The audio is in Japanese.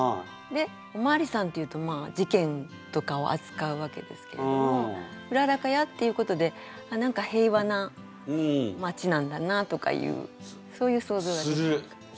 でお巡りさんっていうと事件とかをあつかうわけですけれども「うららかや」って言うことで何か平和な町なんだなとかいうそういう想像ができる。